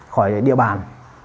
khỏi địa bàn